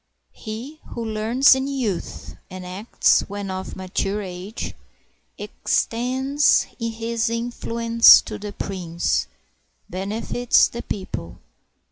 He who learns in youth, and acts when of mature age. Extends his influence to the prince, benefits the people.